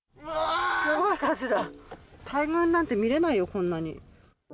すごい数だ、大群なんて見れないよ、こんなに。